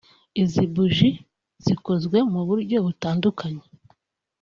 Izi buji zikoze ku buryo butandukanye